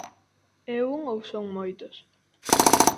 É un ou son moitos?